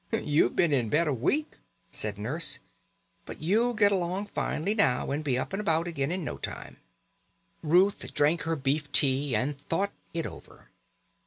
"You've been in bed a week," said Nurse. "But you'll get along finely now, and be up and about again in no time." Ruth drank her beef tea and thought it over.